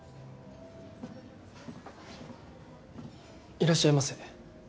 いらっしゃいませ。